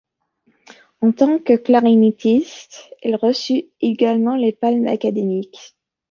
En tant que clarinettiste, il reçut également les Palmes académiques.